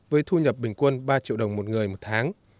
với thu nhập bình quân ba triệu đồng một người một tháng